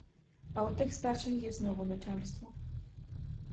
А у тих старших є знову начальство.